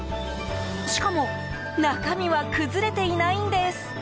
しかも中身は崩れていないんです！